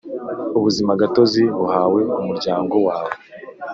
Ubuzimagatozi buhawe umuryango wawe